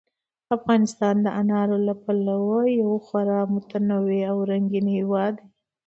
افغانستان د انارو له پلوه یو خورا متنوع او رنګین هېواد دی.